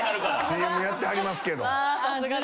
ＣＭやってはりますけど。